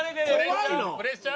プレッシャー？